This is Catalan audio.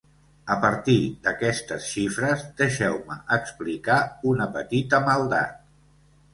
A partir d’aquestes xifres, deixeu-me explicar una petita maldat.